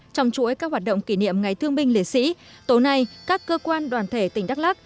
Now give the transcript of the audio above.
trong chuỗi các hoạt động kỷ niệm ngày thương binh liệt sĩ tối nay các cơ quan đoàn thể tỉnh đắk lắc